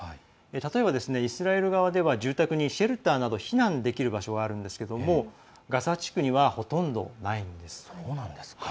例えば、イスラエル側では住宅にシェルターなど避難できる場所はあるんですがガザ地区にはほとんどないんです。